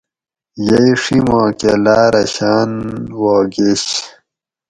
یئی ڛیماکۤہ لاۤرہ شاۤن وا گیش